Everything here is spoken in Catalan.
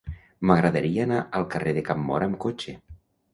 M'agradaria anar al carrer de Can Móra amb cotxe.